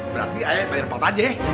berarti ayah bayar bantuan aja ya